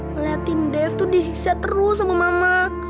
meliatin dev tuh disiksa terus sama mama